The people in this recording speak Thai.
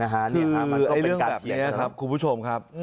คือเรื่องแบบนี้ครับคุณผู้ชมครับ